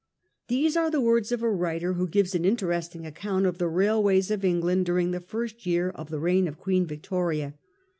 These are the words of a writer who gives an interesting account of the railways of England during the first year of the reign of Queen Victoria.